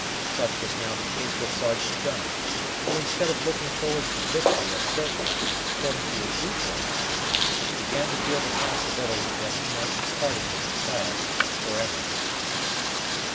Such was now the case with Sergeant Dunham, who, instead of looking forward to victory as certain, according to his usual habits, began to feel the possibility that he might be parting with his child for ever.